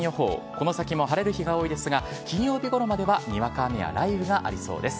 この先も晴れる日が多いですが、金曜日ごろまではにわか雨や雷雨がありそうです。